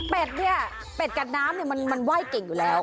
เป็ดนี่เป็ดกันน้ำมันไหว้เก่งอยู่แล้ว